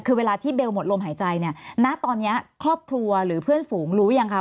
คือเวลาที่เบลหมดลมหายใจเนี่ยณตอนนี้ครอบครัวหรือเพื่อนฝูงรู้ยังคะ